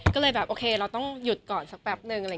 ก็เลยแบบโอเคเราต้องหยุดก่อนสักแป๊บนึง